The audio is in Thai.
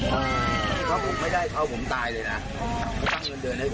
ถ้าผมไม่ได้เขาผมตายเลยนะ